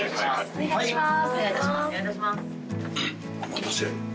お願いいたします。